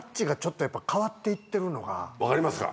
分かりますか？